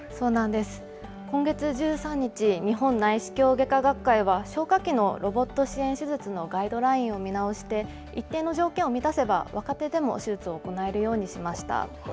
今月１３日、日本内視鏡外科学会は、消化器のロボット支援手術のガイドラインを見直して、一定の条件を満たせば、若手でも手術を行えるようにしました。